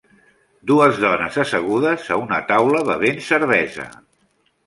Dues dones assegudes a una taula bevent cervesa.